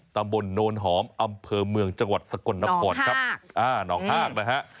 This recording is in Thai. ตำบลโน้นหอมอำเภอเมืองจังหวัดสกลนพรนองฮาก